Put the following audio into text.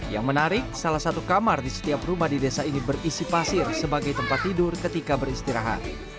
yang menarik salah satu kamar di setiap rumah di desa ini berisi pasir sebagai tempat tidur ketika beristirahat